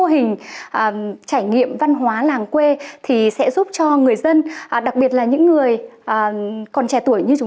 mô hình trải nghiệm văn hóa làng quê thì sẽ giúp cho người dân đặc biệt là những người còn trẻ tuổi như chúng